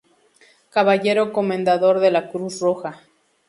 Caballero Comendador de la Cruz Roja.